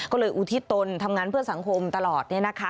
ก็เลยอุทิตนทำงานเพื่อสังคมตลอดเนี่ยนะคะ